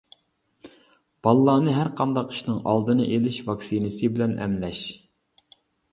بالىلارنى ھەرقانداق ئىشنىڭ ئالدىنى ئېلىش ۋاكسىنىسى بىلەن ئەملەش.